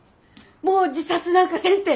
もう自殺なんかせんて。